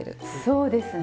そうですね。